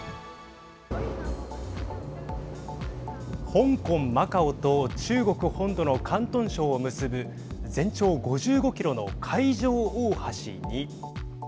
香港、マカオと中国本土の広東省を結ぶ全長５５キロの海上大橋に。